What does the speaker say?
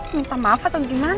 minta maaf atau gimana